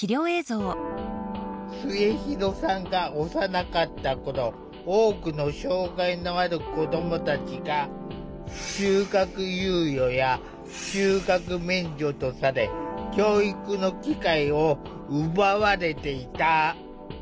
末弘さんが幼かった頃多くの障害のある子どもたちがとされ教育の機会を奪われていた。